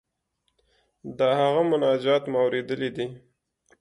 د هغه مناجات مو اوریدلی دی.